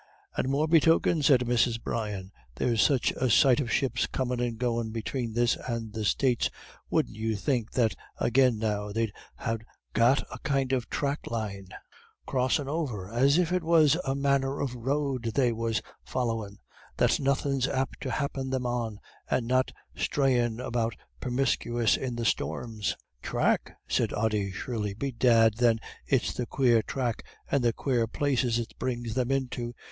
"And morebetoken," said Mrs. Brian, "there's such a sight of ships comin' and goin' between this and the States, wouldn't you think that agin now they'd ha' got a kind of track line, crossin' over, as if it was a manner of road they was follyin' that nothin's apt to happen them on, and not sthrayin' about permisc yis in the storms?" "Thrack?" said Ody, shrilly. "Bedad, then, its the quare thrack, and the quare places it brings them into.